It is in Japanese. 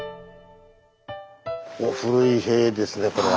おっ古い塀ですねこれは。